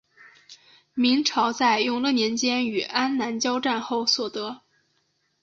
明朝在永乐年间与安南交战后所得。